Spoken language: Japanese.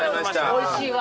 おいしいわ。